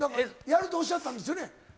やるとおっしゃったんですよ